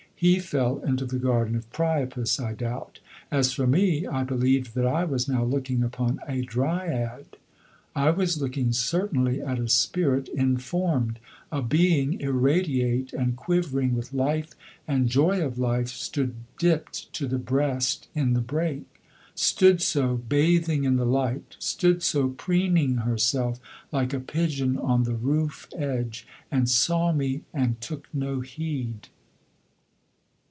He fell into the Garden of Priapus, I doubt. As for me, I believed that I was now looking upon a Dryad. I was looking certainly at a spirit informed. A being, irradiate and quivering with life and joy of life, stood dipt to the breast in the brake; stood so, bathing in the light; stood so, preening herself like a pigeon on the roof edge, and saw me and took no heed.